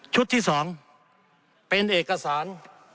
ชุดที่สองเป็นเอกสาร